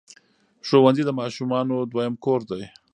ښوونځي د ماشومانو دویم کور دی.